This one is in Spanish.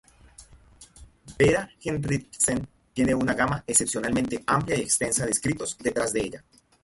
Vera Henriksen tiene una gama excepcionalmente amplia y extensa de escritos detrás de ella.